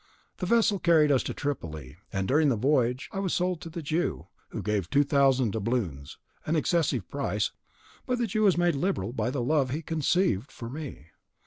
The vessel carried us to Tripoli, and during the voyage I was sold to the Jew, who gave two thousand doubloons, an excessive price; but the Jew was made liberal by the love he conceived for me.